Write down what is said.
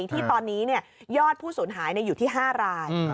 ที่ตอนนี้ยอดผู้สูญหายอยู่ที่๕ราย